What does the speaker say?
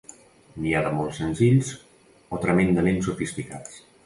N'hi ha de molt senzills o tremendament sofisticats.